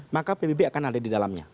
maka pbb akan ada di dalamnya